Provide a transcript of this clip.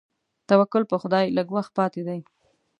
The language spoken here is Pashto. توکل په خدای لږ وخت پاتې دی.